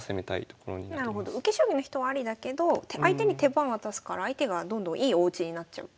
受け将棋の人はありだけど相手に手番渡すから相手がどんどんいいおうちになっちゃうと。